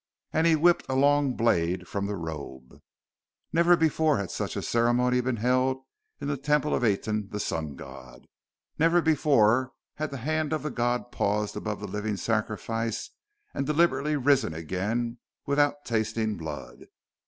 And he whipped a long blade from the robe. Never before had such a ceremony been held in the Temple of Aten, the Sun God. Never before had the hand of the god paused above the living sacrifice and deliberately risen again without tasting blood.